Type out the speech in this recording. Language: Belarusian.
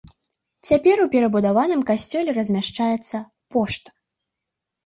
Цяпер у перабудаваным касцёле размяшчаецца пошта.